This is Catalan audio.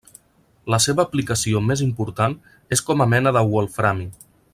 La seva aplicació més important és com a mena de wolframi.